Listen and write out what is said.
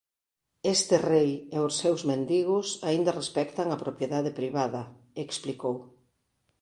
Este rei e os seus mendigos aínda respectan a propiedade privada −explicou−.